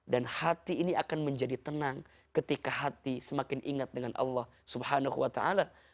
dan hati ini akan menjadi tenang ketika hati semakin ingat dengan allah subhanahu wa ta'ala